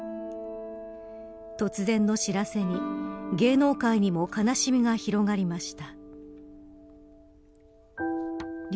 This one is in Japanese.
突然の知らせに芸能界にも悲しみが広がりました。